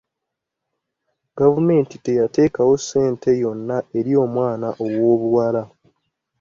Gavumenti teyateekawo ssente yonna eri omwana owoobuwala.